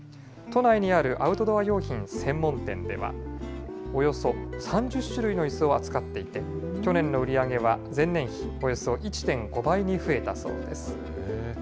都内にあるアウトドア用品専門店では、およそ３０種類のいすを扱っていて、去年の売り上げは前年比およそ１．５倍に増えたそうです。